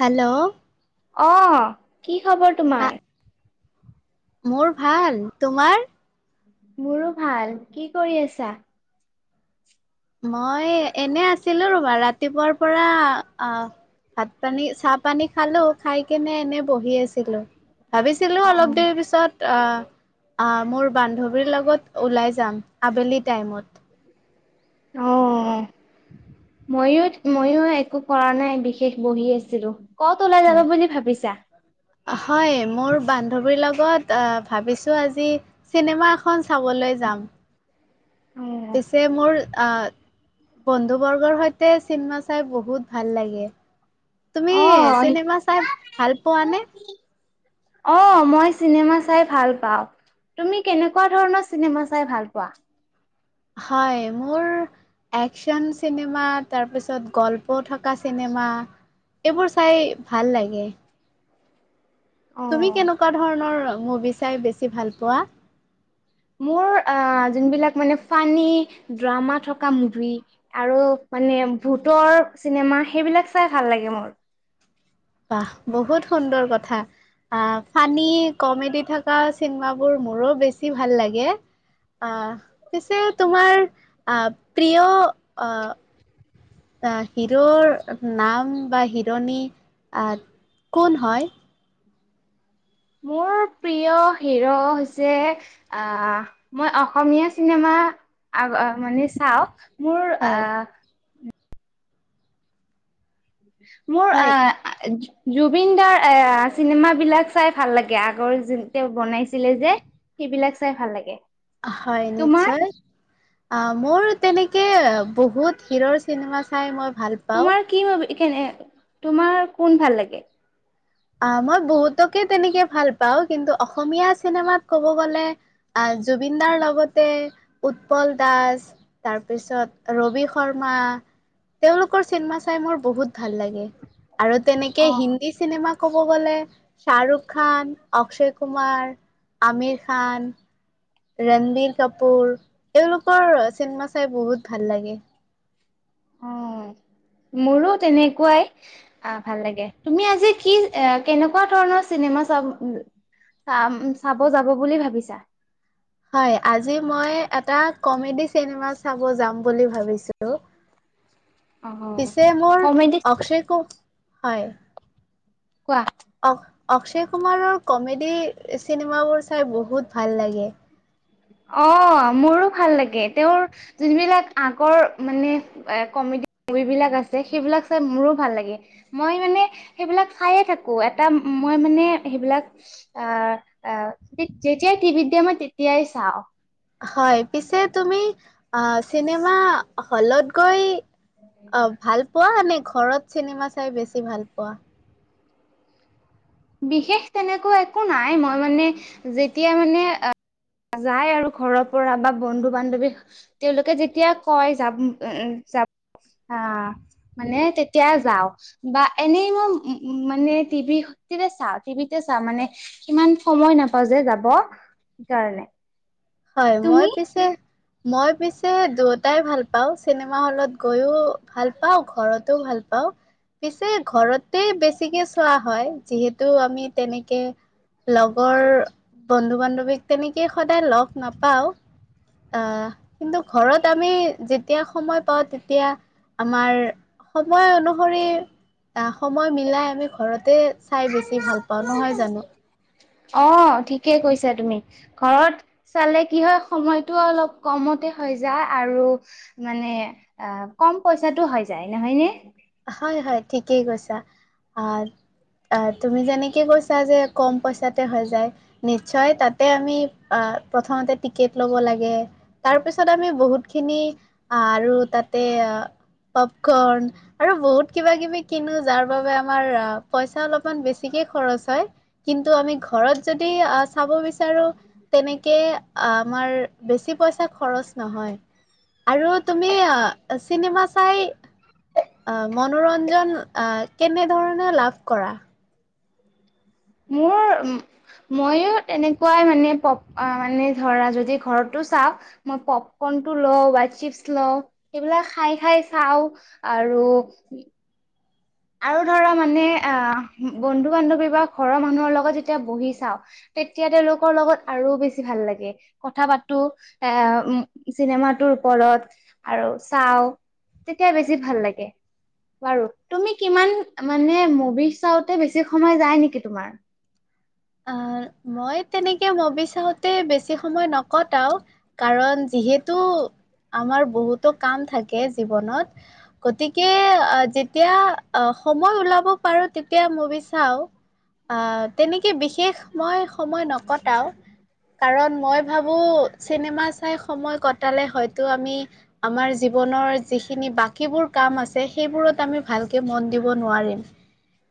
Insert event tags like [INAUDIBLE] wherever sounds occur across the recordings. Hello! অ কি খবৰ হা তোমাৰ? মোৰ ভাল। তোমাৰ? মোৰো ভাল। কি কৰি আছা? মই এনে আছিলো ৰ'বা ৰাতিপুৱাৰ পৰা আহ ভাত-পানী, চাহ-পানী খালো খাই এনে বহি আছিলো। ভাবিছিলোঁ অ অলপ দেৰি পিছত আ আ মোৰ লগত ওলাই যাম আবেলি টাইমত। অ মইও মইও একো কৰা নাই বিশেষ বহি আছিলো। ক'ত ওলাই যাব হয় বুলি ভাবিছা? হয় মোৰ বান্ধৱীৰ লগত ভাবিছোঁ আজি চিনেমা এখন চাবলৈ যাম। অ পিছে মোৰ আহ বন্ধু বৰ্গৰ সৈতে চিনেমা চাই বহুত ভাল লাগে। তুমি অ চিনেমা চাই ভাল পোৱা নে? অ মই চিনেমা চাই ভাল পাওঁ। তুমি কেনেকুৱা ধৰণৰ চিনেমা চাই ভাল পোৱা। হয় মোৰ একচন চিনেমা তাৰপিছত গল্প থকা চিনেমা এইবোৰ চাই ভাল লাগে। অ তুমি কেনেকুৱা ধৰণৰ মুভি চাই বেছি ভাল পোৱা? মোৰ জোনবিলাক মানে ফানী ড্ৰামা থকা মুভি আৰু মানে ভূতৰ চিনেমা সেইবিলাক চাই ভাল লাগে মোৰ। বাহ বহুত সুন্দৰ কথা। আ ফানি কমেডি থকা চিনেমাবোৰ মোৰো বেছি ভাল লাগে। আ পিছে তোমাৰ আ প্ৰিয় আ হিৰ'ৰ নাম বা হিৰণী আ কোন হয়? মোৰ প্ৰিয় হিৰ' হৈছে আ মই অসমীয়া চিনেমা আগত মানে চাও মোৰ হয় আ মো হয় [INAUDIBLE] জুবিন দাৰ এ চিনেমাবিলাক চাই ভাল লাগে আগৰ যে তেওঁ বনাইছিলে যে সেইবিলাক চাই ভাল লাগে। হয় তোমাৰ নিশ্চয় অ মোৰ তেনেকে বহুত হিৰ'ৰ চিনেমা চাই মই ভাল পা তোমাৰ কি মভি তোমাৰ কোন ভাল লাগে? অ মই বহুতকে তেনেকে ভাল পাওঁ কিন্তু অসমীয়া চিনেমাত ক'ব গলে জুবিন দাৰ লগতে উৎপল দাস। তাৰপিছত ৰবি শৰ্মা তেওঁলোকৰ চিনেমা চাই মোৰ বহুত ভাল লাগে। আৰু অ তেনেকে হিন্দী চিনেমা কব গ'লে শ্বাহৰুখ খান, অক্ষয় কুমাৰ, আমিৰ খান ৰণবীৰ কাপুৰ এওঁলোকৰ চিনেমা চাই বহুত ভাল লাগে। উম মোৰো তেনেকুৱাই অ ভাল লাগে তুমি আজি কি কেনেকুৱা ধৰণৰ চিনেমা চাম চাম চাব যাব বুলি ভাবিছা? হয় আজি মই এটা কমেডি চি চিনেমা চাব যাম বুলি ভাবিছোঁ অ', পিছে মোৰ কমেডি অক্ষয় কো হয় কোৱা অ অক্ষয় কুমাৰৰ কমেডি চিনেমাবোৰ চাই বহুত ভাল লাগে। অ মোৰো ভাল লাগে তেওঁৰ জোনবিলাক আগৰ মানে এ কমেডি মুভি বিলাক আছে সেইবিলাক চাই মোৰো ভাল লাগে। মই মানে সেইবিলাক চায়েই থাকো এটা মই মানে সেইবিলাক আ আ যেতিয়াই টিভিত দিয়ে মই তেতিয়াই চাওঁ। হয় পিছে তুমি চিনেমা হলত গৈ অ ভাল পোৱা নে ঘৰত চিনেমা চাই বেছি ভাল পোৱা? বিশেষ তেনেকুৱা একো নাই মই মানে যেতিয়া মানে আ যায় আৰু ঘৰৰ পৰা বা বন্ধু বান্ধৱী তেওঁলোকে যেতিয়া কয় যাম যাম আ মানে তেতিয়া যাও। বা এনেই মই মানে টিভি সতে চাওঁ টিভিতে চাওঁ মানে ইমান সময় নাপাওঁ যে যাব কাৰণে। হয়। মই পিছে মই পিছে দুয়োটাই ভাল পাওঁ, চিনেমা হ'লত গৈও ভাল পাওঁ ঘৰতো ভাল পাওঁ। পিছে ঘৰতে বেছিকে চোৱা হয়, যিহেতু আমি তেনেকে লগৰ বন্ধু বান্ধৱীক তেনেকেই সদায় লগ নাপাও, আহ কিন্তু ঘৰত আমি যি [UNINTELLIGIBLE] সময় পাওঁ তেতিয়া আমাৰ সময় অনুসৰি সময় মিলাই আমি ঘৰতে চাই বেছি ভাল পাওঁ নহয় জানো? অ', ঠিকেই কৈছা তুমি, ঘৰত চালে কি হয় সময়টো অলপ কমতে হৈ যায়, আৰু মানে অ', কম পইচাটো হৈ যায় নহয় নে? হয়, হয় ঠিকেই কৈছা। অ', তুমি যেনেকে কৈছা যে কম পইচাতে হৈ যায়। নিশ্চয় তাতে আমি অ', প্ৰথমতে টিকেট ল'ব লাগে তাৰ পিছত আমি বহুত খিনি আৰু তাতে পপকৰ্ন আৰু বহুত কিবা কিবি কিনো, যাৰ বাবে আমাৰ পইচা অলপমান বেছিকে খৰচ হয়। কিন্তু আমি ঘৰত যদি, আ চাব বিচাৰোঁ তেনেকে আমাৰ বেছি পইচা খৰচ নহয়। আৰু তুমি চিনেমা চাই মনোৰঞ্জন কেনে ধৰণে লাভ কৰা? মোৰ, উম মইয়ো তেনেকুৱাই মানে পপ ধৰা যদি ঘৰতো চাওঁ মই পপকৰ্নটো লওঁ বা চিপচ লওঁ, সেইবিলাক খাই খাই চাওঁ। আৰু আৰু ধৰা মানে আহ বন্ধু বান্ধৱী বা ঘৰৰ মানুহৰ লগত যেতিয়া বহি চাওঁ তেতিয়া তেওঁলোকৰ লগত আৰু বেছি ভাল লাগে। কথা পাতো এ চিনেমাটোৰ ওপৰত আৰু চাওঁ। তেতিয়া বেছি ভাল লাগে। বাৰু তুমি কিমান মানে মুভি চাওঁতে বেছি সময় যায় নেকি তোমাৰ? আহ, মই তেনেকে ম'ভি চাওঁতে বেছি সময় নকটাও। কাৰণ যিহেতু আমাৰ বহুতো কাম থাকে জীৱনত। গতিকে আহ, যেতিয়া আহ, সময় ওলাব পাৰো তেতিয়া ম'ভি চাওঁ। আহ তেনেকে বিশেষ মই সময় নকটাও। কাৰণ মই ভাবো চিনেমা চাই সময় কটালে হয়তো আমি আমাৰ জীৱনৰ যিখিনি বাকীবোৰ কাম আছে সেইবোৰত আমি ভালকে মন দিব নোৱাৰিম।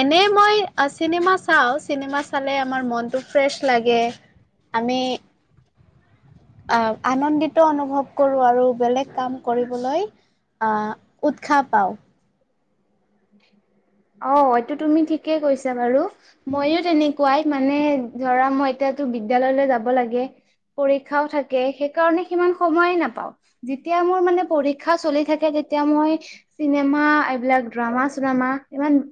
এনেই মই এ চিনেমা চাওঁ চিনেমা চালে আমাৰ মনটো ফ্ৰেছ লাগে, আমি আহ আনন্দিত অনুভৱ কৰো আৰু বেলেগ কাম কৰিবলৈ উৎসাহ পাওঁ। [INAUDIBLE] অ', এইটো তুমি ঠিকেই কৈছা বাৰু। মইয়ো তেনেকুৱাই, মানে ধৰা মই এতিয়াতো বিদ্যালয়লৈ যাব লাগে। পৰীক্ষাও থাকে, সেইকাৰণে সিমান সময়ে নাপাওঁ। যেতিয়া মোৰ মানে পৰীক্ষা চলি থাকে, তেতিয়া মই চিনেমা, এইবিলাক ড্ৰামা চ্ৰামা। ইমান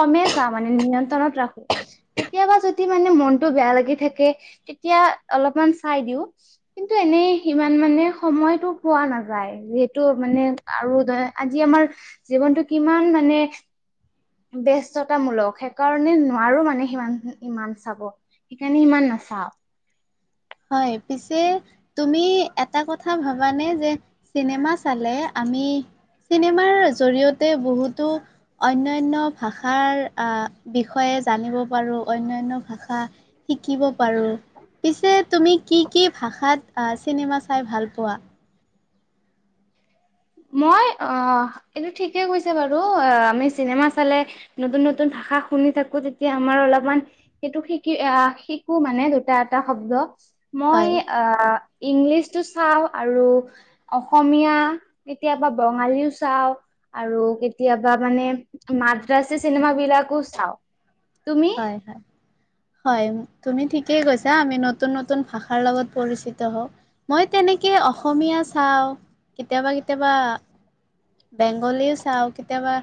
কমেই চাওঁ মানে নিয়ন্ত্ৰণত ৰাখো। কেতিয়াবা যদি মানে মনটো বেয়া লাগি থাকে, তেতিয়া অলপমান চাই দিওঁ। কিন্তু এনেই সিমান মানে সময়টো পোৱা নাযায়, যিহেতু মানে আৰু ধৰা আজি আমাৰ জীৱনটো কিমান মানে ব্যস্ততা মূলক, সেইকাৰণে নোৱাৰোঁ মানে সিমান ইমান চাব। সেইকাৰণে ইমান নাচাওঁ। হয়, পিছে তুমি এটা কথা ভাবানে যে চিনেমা চালে আমি চিনেমাৰ জৰিয়তে বহুতো অন্যান্য ভাষাৰ আ বিষয়ে জানিব পাৰোঁ, অনন্যা ভাষা শিকিব পাৰোঁ, পিছে তুমি কি কি ভাষাত চিনেমা চাই ভাল পোৱা? মই অ', এইটো ঠিকে কৈছে বাৰু আমি চিনেমা চালে নতুন নতুন ভাষা শুনি থাকোঁ। তেতিয়া আমাৰ অলপমান সেইটো শিকি আ শিকো মানে দুটা এটা শব্দ। মই হয়? আ ইংলিছটো চাওঁ আৰু অসমীয়া। কেতিয়াবা বঙালীও চাওঁ। আৰু কেতিয়াবা মানে মাদ্ৰাছী চিনেমা বিলাকো চাওঁ, তুমি? দেহাৰ। হয়, তুমি ঠিকেই কৈছা। আমি নতুন নতুন ভাষাৰ লগত পৰিচিত হওঁ। মই তেনেকে অসমীয়া চাওঁ। কেতিয়াবা কেতিয়াবা বেংগলীও চাওঁ, কেতিয়াবা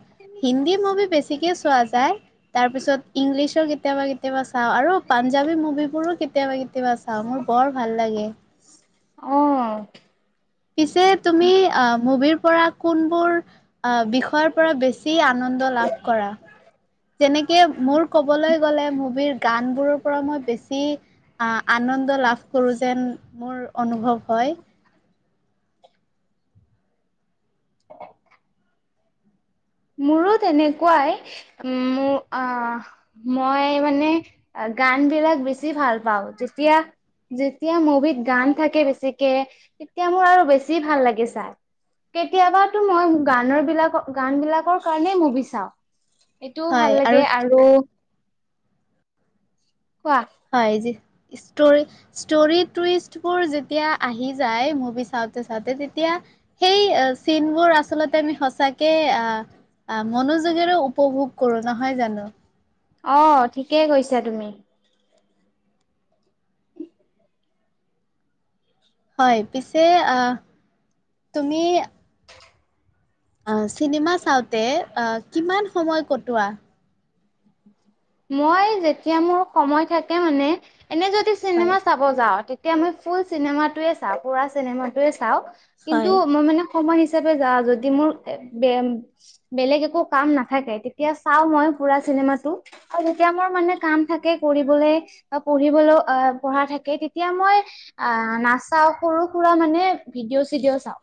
হিন্দী মুভি বেছিকে চোৱা যায়। তাৰ পিছত ইংলিছৰ কেতিয়াবা কেতিয়াবা চাওঁ আৰু পাঞ্জাবী মুভিবোৰো কেতিয়াবা কেতিয়াবা চাওঁ মোৰ বৰ ভাল লাগে। অ' পিছে তুমি অ' মুভিৰ পৰা কোনবোৰ বিষয়ৰ পৰা বেছি কি আনন্দ লাভ কৰা? যেনেকে মোৰ ক'বলৈ গ'লে, মুভিৰ গানবোৰৰ পৰা মই বেছি আনন্দ লাভ কৰোঁ যেন মোৰ অনুভৱ হয়। মোৰো তেনেকুৱাই মোৰ অ' মই মানে গান বিলাক বেছি ভাল পাওঁ যেতিয়া যেতিয়া মুভিত গান থাকে বেছিকে, তেতিয়া মোৰ আৰু বেছি ভাল লাগে চাই। কেতিয়াবাতো মই গানৰ বিলাক, গান বিলাক ৰ কাৰণে মুভি চাওঁ, এইটো ভাল লাগে আৰু কোৱা? হয়, যি ষ্টৰি। ষ্টৰি টুইষ্টবোৰ যেতিয়া আহি যায়, মুভি চাওঁতে চাওঁতে তেতিয়া সেই চিনবোৰ আচলতে আমি সঁচাকে আ মনোযোগেৰে উপভোগ কৰোঁ নহয় জানোঁ? অ' ঠিকেই কৈছা তুমি। হয়, পিছে আ তুমি আ' চিনেমা চাওঁতে আ' কিমান সময় কটোৱা? মই যেতিয়া মোৰ সময় থাকে মানে এনে যদি হয় চিনেমা চা ব যাও। তেতিয়া মই ফুল চিনেমাটোৱে চাওঁ। পুৰা চিনেময়ে চাওঁ। হয় কিন্তু মই মানে সময় হিচাপে যা যদি মোৰ বে বেলেগ একো কাম নাথাকে, তেতিয়া চাওঁ মই পুৰা চিনেমাটো। আৰু যেতিয়া মোৰ মানে কাম থাকে কৰিবলৈ বা পঢ়িবলৈও অ' পঢ়া থাকে। তেতিয়া মই অ' নাচাও সৰু সুৰা মানে ভিডিঅ' চিডিঅ' চাওঁ।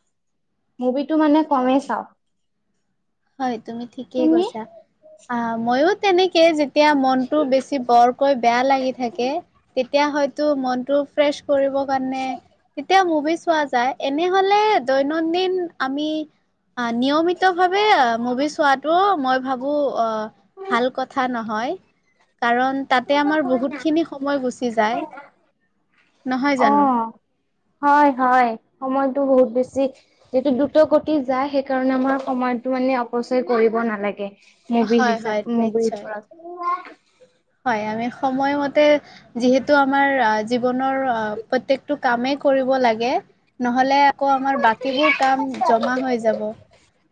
মুভিটো মানে কমেই চাওঁ। হয়, তুমি ঠিকেই তুমি? কৈছা, আহ মইয়ো তেনেকে যে তিয়া মনটো বেছি বৰকৈ বেয়া লাগি থাকে, তেতিয়া হয়তো মনটো ফ্ৰেছ কৰিবৰ কাৰণে, তেতিয়া মুভি চোৱা যায়। এনেহলে দৈনন্দিন আমি নিয়মিতভাৱে মুভি চোৱাটো মই ভাবো অ ভাল কথা নহয় কাৰণ তাতে আমাৰ বহুতখিনি সময় গুচি যায়। নহয় জানো? অ'। হয় হয়, সময়টো বহুত বেছি যিটো দ্ৰুত গতিত যায় সেইকাৰণে আমাৰ সময়টো মানে অপচয় কৰিব নালাগে। মুভি হয় হয় হিচাপ মুভিৰ নিশ্চয় ওপৰত। হয় আমি সময়মতে যিহেতু আমাৰ আ জীৱনৰ প্ৰত্যেকটো কামেই কৰিব লাগে নহলে আকৌ আমাৰ বাকীবোৰ কাম জমা হৈ যাব।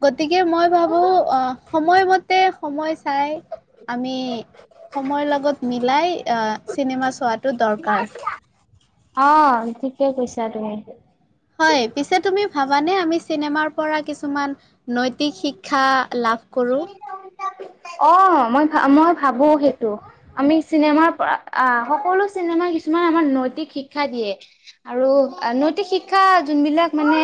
গতিকে মই ভাবোঁ সময়মতে সময় চাই আমি সময়ৰ লগত মিলাই আহ চিনেমা চোৱাটো দৰকাৰ অহ ঠিকে কৈছা তুমি। হয় পিছে তুমি ভাবানে আমি চিনেমাৰ পৰা কিছুমান নৈতিক শিক্ষা লাভ কৰো। অ মই ভা মই ভাবো সেইটো। আমি চিনেমাৰ পৰা আহ সকলো চিনেমা কিছুমান আমাক নৈতিক শিক্ষা দিয়ে। আৰু নৈতিক শিক্ষা যোনবিলাক মানে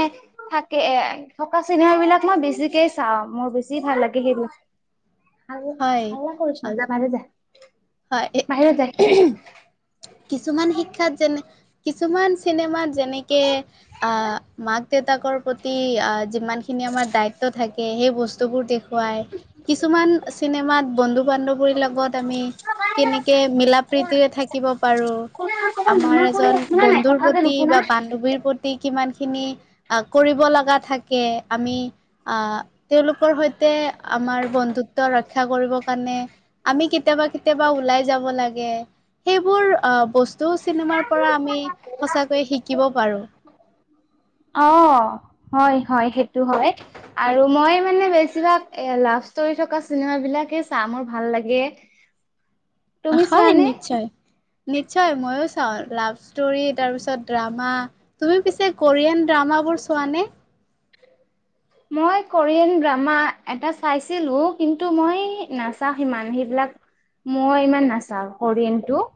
থাকে এ থকা চিনেমা বিলাক মই বেছি কে চাও মোৰ বেছি ভাল লাগে সেইবোৰ। হয় আহ, [UNINTELLIGIBLE] হয়, এ কিছুমান শিক্ষাত যেনে কিছুমান চিনেমাত যেনেকে আহ মাক দেউতাকৰ প্ৰতি আহ যিমান খিনি আমাৰ দায়িত্ব থাকে সেই বস্তুবোৰ দে খুৱাই কিছুমান চিনেমাত বন্ধু বান্ধৱীৰ লগত আমি কেনেকে মিলা প্ৰীতিৰে থাকিব পাৰো। অ', আমাৰ এজন বন্ধুৰ প্ৰতি বা বান্ধৱীৰ প্ৰতি কিমান খিনি আহ কৰিব লগা থাকে আমি আহ তেওঁলোকৰ সৈতে আমাৰ বন্ধুত্ব ৰক্ষা কৰিবৰ কাৰণে আমি কেতিয়াবা কেতিয়াবা ওলাই যাব লাগে। সেইবোৰ বস্তু চিনেমাৰ পৰা আমি সঁচাকৈয়ে শিকিব পাৰো। অঁহ হয় হয়, সেইটো হয়। আৰু মই মানে বেছিভাগ এ লাভ ষ্টৰি থকা চিনেম বিলাকে চাও মোৰ ভাল লাগে। [INAUDIBLE] হয় চোৱানে? নিশ্চয়। নিশ্চয় মইয়ো চাওঁ, লাভ ষ্টৰি তাৰপিছত ড্ৰামা। তুমি পিছে কোৰিয়ান ড্ৰামাবোৰ চোৱা নে? মই কোৰিয়ান ড্ৰামা এটা চাইছিলো, কিন্তু মই নাচাও সিমান সেইবিলাক মই ইমান নাচাওঁ কৰিৰিয়ন টো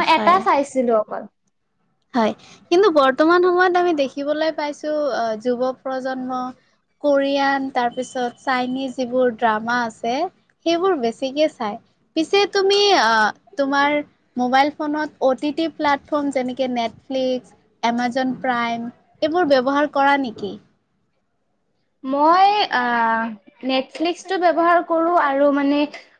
মই এটা হয় চাইছিলো অকল। হয়, কিন্তু বৰ্তমান সময়ত আমি দেখিবলৈ পাইছো আহ, যুৱ প্ৰজন্ম কোৰিয়ান তাৰপিছত চাইনিজ যিবোৰ ড্ৰামা আছে। সেইবোৰ বেছিকে চাই, পিছে তুমি তোমাৰ মোবাইল ফোনত O T T platform O T T যেনে নেটফ্লিক্স, এমাজন প্ৰাইম, এইবোৰ ব্যৱহাৰ কৰা নেকি? মই আহ, নেটফ্লিক্সটো ব্যৱহাৰ কৰো আৰু মানে